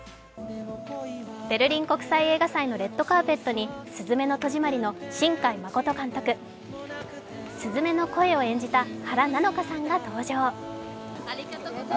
ベルリン国際映画祭のレッドカーペットに「すずめの戸締まり」の新海誠監督、鈴芽の声を演じた原菜乃華さんが登場。